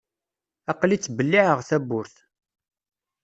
Aql-i ttbelliεeɣ tawwurt.